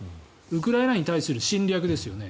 ウクライナに対する侵略ですよね。